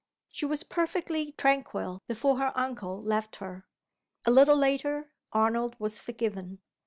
She was perfectly tranquil before her uncle left her. A little later, Arnold was forgiven.